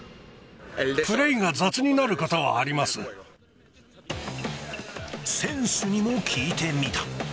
プレーが雑になることはあり選手にも聞いてみた。